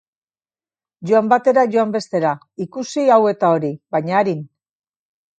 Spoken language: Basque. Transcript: Joan batera, joan bestera, ikusi hau eta hori, baina arin.